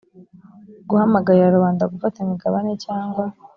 guhamagarira rubanda gufata imigabane cyangwa